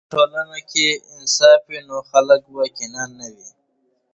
که په ټولنه کې انصاف وي، نو خلکو کې کینه نه وي.